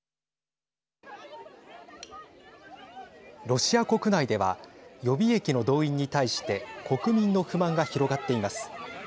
ロシア国内では予備役の動員に対して国民の不満が広がっています。